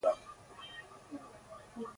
تاسې داسې ګومان وکړئ!